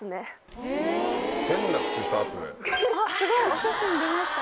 すごいお写真出ました。